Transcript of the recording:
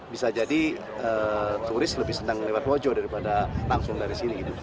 bisa jadi turis lebih senang lewat wojo daripada langsung dari sini gitu